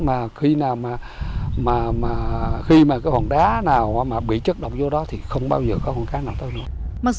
mà khi mà cái hòn đá nào mà bị chất độc vô đó thì không bao giờ có con cá nào tới nữa